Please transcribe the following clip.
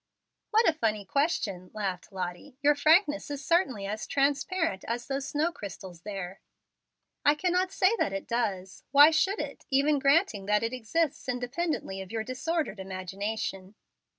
"What a funny question!" laughed Lottie. "Your frankness is certainly as transparent as those snow crystals there. I cannot say that it does. Why should it, even granting that it exists independently of your disordered imagination?"